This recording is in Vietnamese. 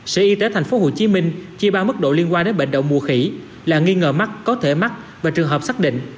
sở y tế tp hcm chia ba mức độ liên quan đến bệnh đậu mùa khỉ là nghi ngờ mắc có thể mắc và trường hợp xác định